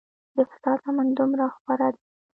د فساد لمن دومره خوره ده.